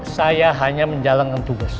saya hanya menjalankan tugas